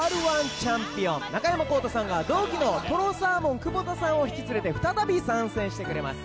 チャンピオン中山功太さんが同期のとろサーモン久保田さんを引き連れて再び参戦してくれます